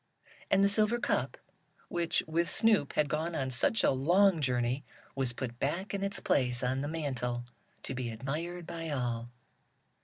And the silver cup, which, with Snoop, had gone on such a long journey, was put back in its place on the mantle, to be admired by all.